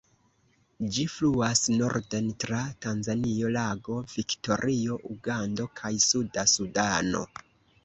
Ĝi fluas norden tra Tanzanio, Lago Viktorio, Ugando kaj Suda Sudano.